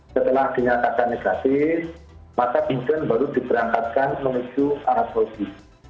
setelah dinyatakan negatif maka biden baru diberangkatkan menuju arab saudi